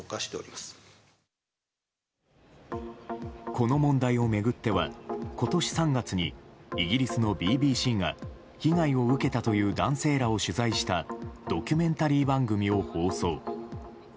この問題を巡っては今年３月にイギリスのＢＢＣが被害を受けたという男性らを取材したドキュメンタリー番組を放送。